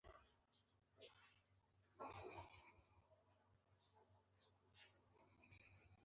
کاشکي مې سل ميليونه ډالر نور هم درنه غوښتي وای.